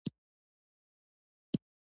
خو روحیه یې وساتله؛ د غم زور لري.